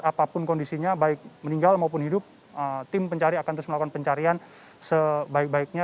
apapun kondisinya baik meninggal maupun hidup tim pencari akan terus melakukan pencarian sebaik baiknya